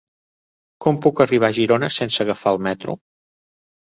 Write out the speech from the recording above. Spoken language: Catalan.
Com puc arribar a Girona sense agafar el metro?